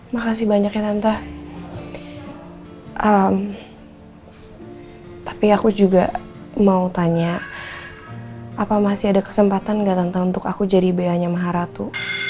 makasih banyak ya tante tapi aku juga mau tanya apa masih ada kesempatan enggak tante untuk aku jadi bayanya maharatu